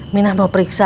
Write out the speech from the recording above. minah mau periksa